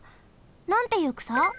なんていうくさ？